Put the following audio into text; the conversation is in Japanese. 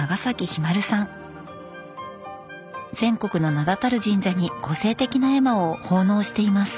日本全国の名だたる神社に個性的な絵馬を奉納しています。